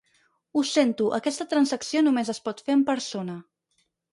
Ho sento, aquesta transacció només es pot fer en persona.